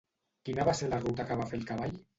Quina va ser la ruta que va fer el cavall?